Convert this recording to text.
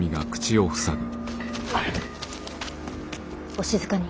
お静かに。